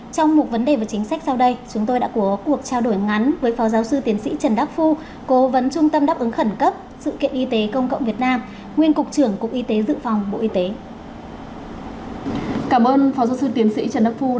trong một vấn đề về chính sách sau đây chúng tôi đã có cuộc trao đổi ngắn với phó giáo sư tiến sĩ trần đắc phu